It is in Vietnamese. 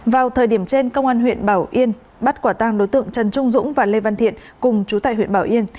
vào thời điểm trên công an huyện bảo yên bắt quả tăng đối tượng trần trung dũng và lê văn thiện cùng chú tại huyện bảo yên